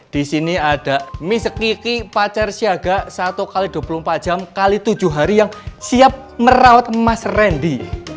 di sini ada mise kiki pacar siaga satu x dua puluh empat jam x tujuh hari yang siap merawat emas randy